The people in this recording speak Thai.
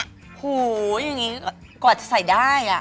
โอ้โหอย่างนี้กว่าจะใส่ได้